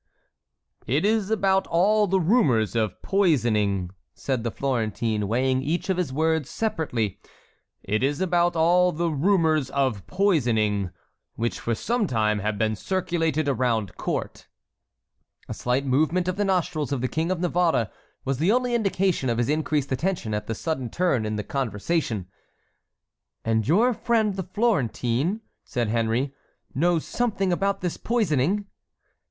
"It is about all the rumors of poisoning," said the Florentine, weighing each of his words separately, "it is about all the rumors of poisoning which for some time have been circulated around court." A slight movement of the nostrils of the King of Navarre was the only indication of his increased attention at the sudden turn in the conversation. "And your friend the Florentine," said Henry, "knows something about this poisoning?"